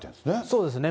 そうですね。